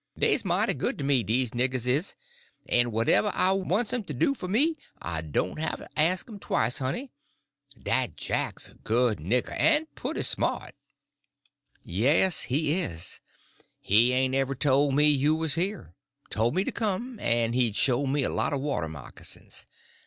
Dey's mighty good to me, dese niggers is, en whatever I wants 'm to do fur me I doan' have to ast 'm twice, honey. Dat Jack's a good nigger, en pooty smart." "Yes, he is. He ain't ever told me you was here; told me to come, and he'd show me a lot of water moccasins.